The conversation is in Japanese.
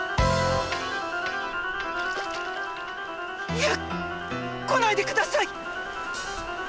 いや！来ないでください！